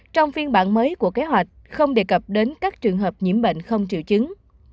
trong phiên bản mới của kế hoạch không đề cập đến các trường hợp nhiễm bệnh không triệu chứng